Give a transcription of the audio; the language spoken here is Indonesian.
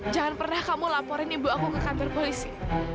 jangan pernah kamu laporin ibu aku ke kantor polisi